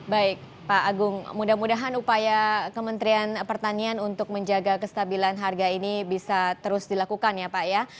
baik pak agung mudah mudahan upaya kementerian pertanian untuk menjaga kestabilan harga ini bisa terus dilakukan ya pak ya